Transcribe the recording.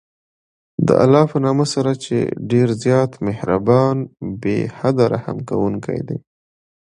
د الله په نامه سره چې ډېر زیات مهربان، بې حده رحم كوونكى دی.